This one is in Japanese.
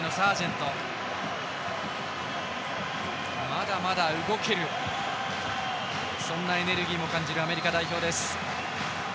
まだまだ動けるそんなエネルギーを感じるアメリカ代表です。